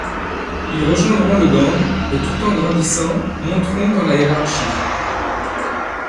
Ils rejoindront le gang et tout en grandissant, monteront dans la hiérarchie.